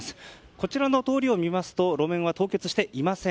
こちらの通りを見ますと路面は凍結していません。